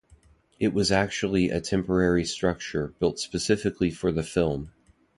It was actually a temporary structure built specifically for the film.